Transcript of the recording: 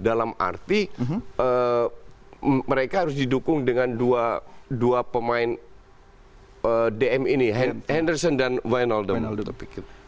dalam arti mereka harus didukung dengan dua pemain dm ini henderson dan wijnaldum